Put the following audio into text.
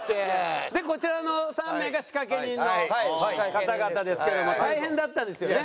でこちらの３名が仕掛人の方々ですけれども大変だったんですよね？